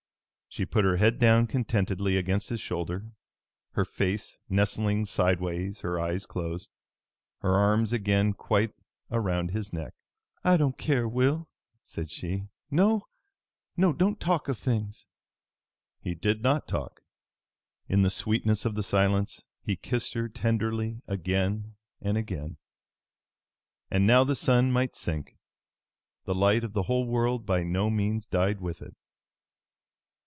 She put her head down contentedly against his shoulder, her face nestling sidewise, her eyes closed, her arms again quite around his neck. "I don't care, Will," said she. "No, no, don't talk of things!" He did not talk. In the sweetness of the silence he kissed her tenderly again and again. And now the sun might sink. The light of the whole world by no means died with it.